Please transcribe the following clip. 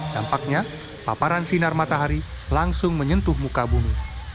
dampaknya paparan sinar matahari langsung menyentuh muka bumi